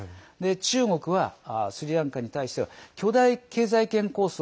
中国はスリランカに対しては巨大経済圏構想